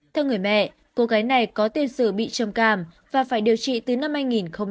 theo người mẹ cô gái này có tiền sử bị trầm cảm và phải điều trị từ năm hai nghìn một mươi